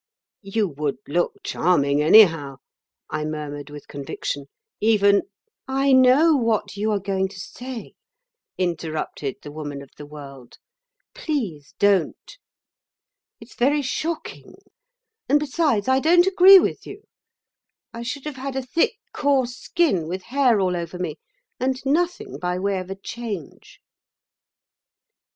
"You would look charming anyhow," I murmured with conviction, "even—" "I know what you are going to say," interrupted the Woman of the World; "please don't. It's very shocking, and, besides, I don't agree with you. I should have had a thick, coarse skin, with hair all over me and nothing by way of a change."